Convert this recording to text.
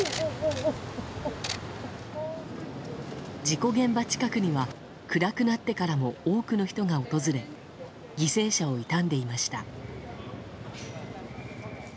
事故現場近くには暗くなってからも多くの人が訪れ犠牲者を悼んでいました。